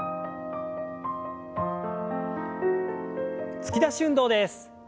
突き出し運動です。